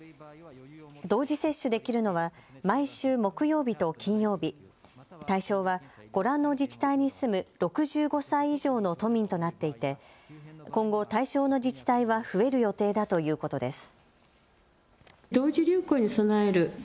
同時接種できるのは毎週木曜日と金曜日、対象はご覧の自治体に住む６５歳以上の都民となっていて今後、対象の自治体は増える予定だということです。